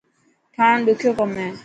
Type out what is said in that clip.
ٺاهڻ ڏکيو ڪم هي.